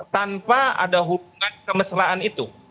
tanpa ada hubungan kemesraan itu